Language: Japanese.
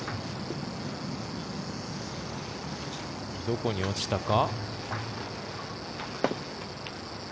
どこに落ちたか？